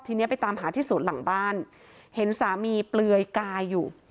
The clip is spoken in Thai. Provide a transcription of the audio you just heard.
ทีนี้ไปตามหาที่สวนหลังบ้านเห็นสามีเปลือยกายอยู่